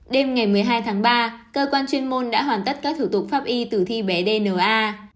đêm ngày một mươi hai tháng ba cơ quan chuyên môn đã hoàn tất các thủ tục pháp y tử thi bé dna